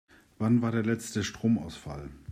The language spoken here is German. Wann war der letzte Stromausfall?